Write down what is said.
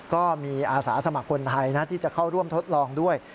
ก็มีอาสาสมัครคนไทยนะที่จะเข้าร่วมทดลองด้วย